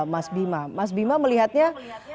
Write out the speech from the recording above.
mas bima mas bima melihatnya